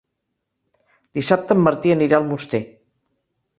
Dissabte en Martí anirà a Almoster.